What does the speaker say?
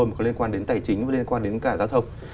mà có liên quan đến tài chính và liên quan đến cả giao thông